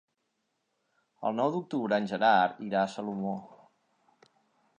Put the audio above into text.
El nou d'octubre en Gerard irà a Salomó.